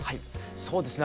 そうですよね。